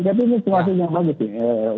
tapi ini tuh hasil yang bagus ya